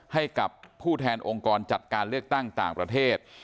ให้กับผู้แทนองค์กรจัดการเลือกตั้งต่างประเทศ